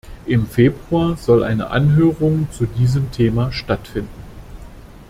Im Februar soll eine Anhörung zu diesem Thema stattfinden.